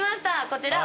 こちら。